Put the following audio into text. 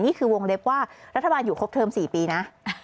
นี่คือวงเล็บว่ารัฐบาลอยู่ครบเทิม๔ปีนะ